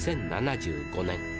２０７５年。